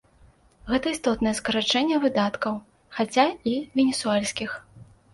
Гэта істотнае скарачэнне выдаткаў, хаця і венесуэльскіх.